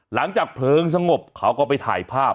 หลังจากเพลิงสงบเขาก็ไปถ่ายภาพ